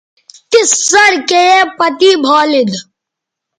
تس سڑکے یے پتے بھالید